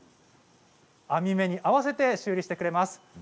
編み目に合わせて修理してくれます。